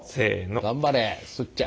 頑張れすっちゃん。